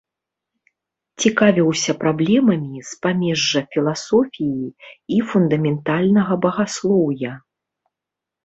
Цікавіўся праблемамі з памежжа філасофіі і фундаментальнага багаслоўя.